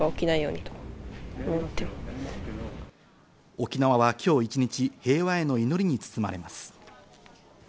沖縄は今日一日、平和への祈りに包まれます。